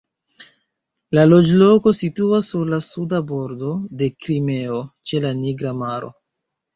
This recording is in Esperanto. La loĝloko situas sur la Suda Bordo de Krimeo ĉe la Nigra maro.